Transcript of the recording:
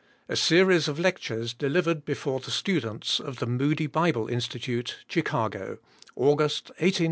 A Series of Lectures Delivered Before the Students of the Moody Bible Institutei Chicago, August, 1895, BY REV.